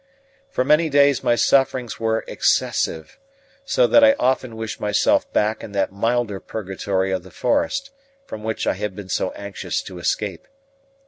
For many days my sufferings were excessive, so that I often wished myself back in that milder purgatory of the forest, from which I had been so anxious to escape.